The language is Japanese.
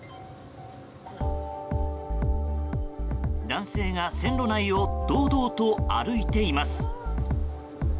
男性が線路内を堂々と歩いています。